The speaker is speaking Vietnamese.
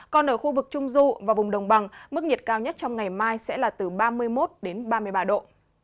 còn ở khu vực trung du và vùng đồng bằng mức nhiệt cao nhất trong ngày mai sẽ là từ ba mươi một đến ba mươi ba độ